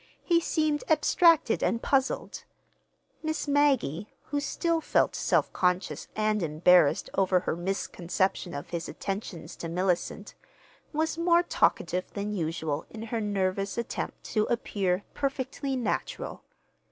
He seemed abstracted and puzzled. Miss Maggie, who still felt self conscious and embarrassed over her misconception of his attentions to Mellicent, was more talkative than usual in her nervous attempt to appear perfectly natural.